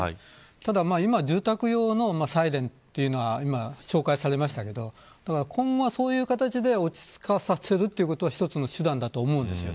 ただ、今住宅用のサイレンというのが紹介されましたが今後はそういう形で使わせるというのは一つの手段だと思います。